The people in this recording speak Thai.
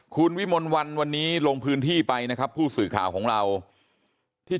คุณวิมลวันวันนี้ลงพื้นที่ไปนะครับผู้สื่อข่าวของเราที่